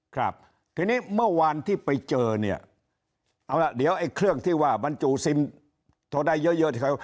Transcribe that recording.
ครับทีนี้เมื่อวานที่ไปเจอเนี่ยเอาล่ะเดี๋ยวไอ้เครื่องที่ว่าบรรจุซิมโทรได้เยอะเยอะที่เขา